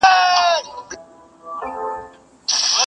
ګل به وړي اغزي به پریږدي پر ګلزار زخمونه کښیږدي!!